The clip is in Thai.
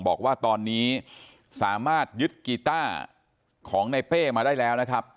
บอกว่าตอนนี้สามารถยึดกีต้าของในเป้มาได้แล้วนะครับ